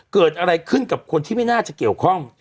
เกิดอะไรขึ้นกับคนที่ไม่น่าจะเกี่ยวข้อง